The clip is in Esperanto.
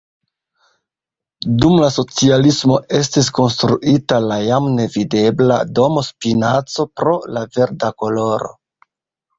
Dum la socialismo estis konstruita la jam nevidebla "Domo Spinaco" pro la verda koloro.